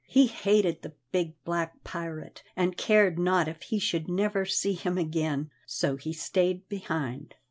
He hated the big black pirate, and cared not if he should never see him again, so he stayed behind.